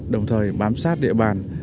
đồng thời bám sát địa bàn